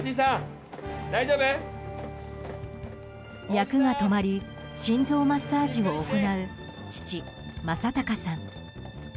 脈が止まり心臓マッサージを行う父・正隆さん。